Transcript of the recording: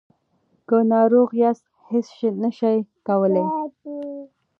که ناروغ یاست هیڅ نشئ کولای.